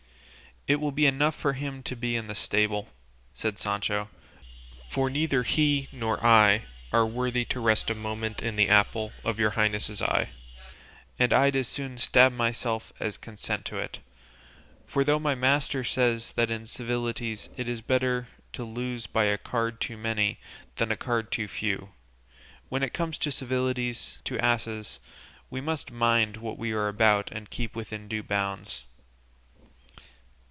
"It will be enough for him to be in the stable," said Sancho, "for neither he nor I are worthy to rest a moment in the apple of your highness's eye, and I'd as soon stab myself as consent to it; for though my master says that in civilities it is better to lose by a card too many than a card too few, when it comes to civilities to asses we must mind what we are about and keep within due bounds."